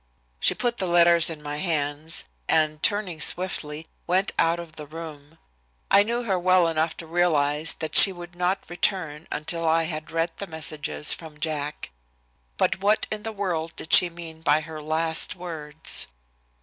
She put the letters in my hands, and, turning swiftly, went out of the room. I knew her well enough to realize that she would not return until I had read the messages from Jack. But what in the world did she mean by her last words?